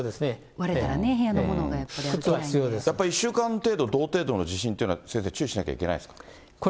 割れたらね、部屋のものが、やっぱり１週間程度、同程度の地震というのは注意しなきゃいけないですか。